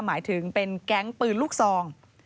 หมายถึงเป็นแก๊งปืนลูกซอง